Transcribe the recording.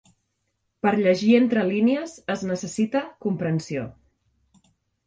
Per llegir entre línies es necessita comprensió.